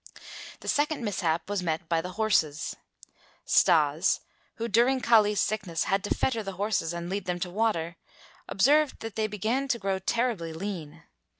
The second mishap was met by the horses. Stas, who during Kali's sickness had to fetter the horses and lead them to water, observed that they began to grow terribly lean.